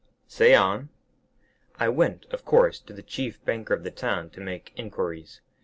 "Say on." "I went, of course, to the chief banker of the town to make inquiries.